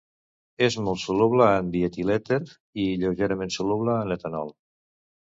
És molt soluble en dietilèter i lleugerament soluble en etanol.